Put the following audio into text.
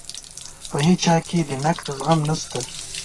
په هیچا کې د نقد زغم نشته.